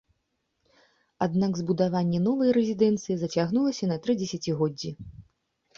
Аднак збудаванне новай рэзідэнцыі зацягнулася на тры дзесяцігоддзі.